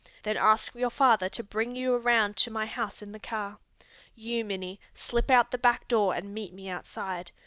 Then ask your father to bring you around to my house in the car. You, Minnie, slip out the back door and meet me outside.